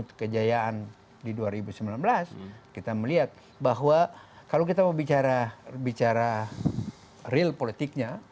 kejayaan di dua ribu sembilan belas kita melihat bahwa kalau kita mau bicara real politiknya